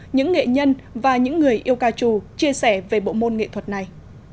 những nghệ nhân và những người yêu ca trù chia sẻ về bộ môn nghệ thuật này